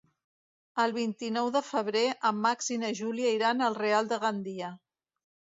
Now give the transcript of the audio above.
El vint-i-nou de febrer en Max i na Júlia iran al Real de Gandia.